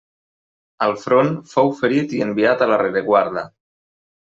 Al front fou ferit i enviat a la rereguarda.